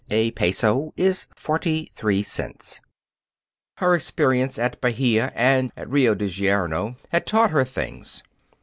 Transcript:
A peso is forty three cents. Her experience at Bahia and at Rio de Janeiro had taught her things.